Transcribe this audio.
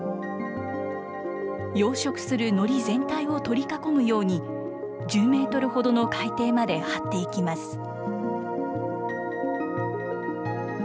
養殖するのり全体を取り囲むように、１０メートルほどの海底まで張っていきます。